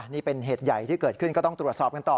นี่เป็นเหตุใหญ่ที่เกิดขึ้นก็ต้องตรวจสอบกันต่อ